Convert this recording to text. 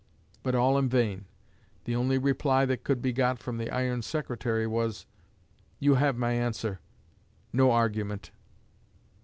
But all in vain; the only reply that could be got from the iron Secretary was, "You have my answer; no argument."